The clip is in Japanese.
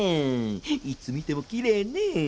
いつ見てもきれいねえ。